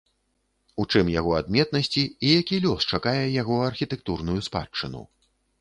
У чым яго адметнасці і які лёс чакае яго архітэктурную спадчыну?